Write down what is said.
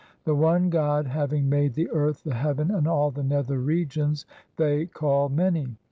1 The one God having made the earth, the heaven, and all the nether regions they call many.